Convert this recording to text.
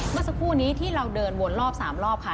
เมื่อสักครู่นี้ที่เราเดินวนรอบ๓รอบค่ะ